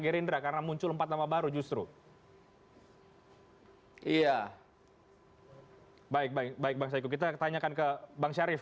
gerindra karena muncul empat nama baru justru oh iya hai baik baik baik kita tanyakan ke bang syarif